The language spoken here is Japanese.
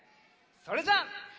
それじゃあ。